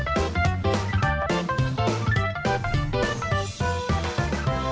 โปรดติดตามตอนต่อไป